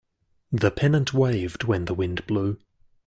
The pennant waved when the wind blew.